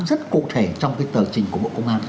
rất cụ thể trong cái tờ trình của bộ công an